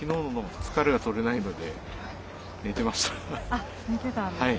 あっ寝てたんですね。